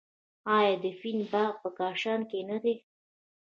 آیا د فین باغ په کاشان کې نه دی؟